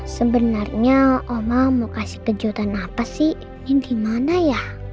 sebenarnya oma mau kasih kejutan apa sih ini gimana ya